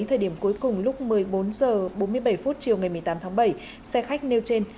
thời điểm cuối cùng lúc một mươi bốn h bốn mươi bảy phút chiều ngày một mươi tám tháng bảy xe khách nêu trên